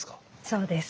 そうです。